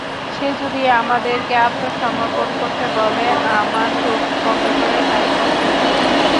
সে যদি আমাদেরকে আত্মসমর্পণ করতে বলে আমাদের চোখ বন্ধ করে তাই করতে হয়।